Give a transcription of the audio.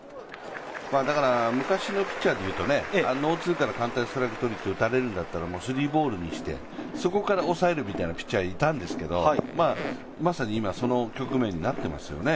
昔のピッチャーで言うと、ノー・ツーからストライクにして打たれるんだったらもうスリーボールにして、そこから抑えるみたいなピッチャーがいたんですけど、まさに今、その局面になってますよね。